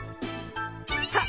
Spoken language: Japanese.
さあ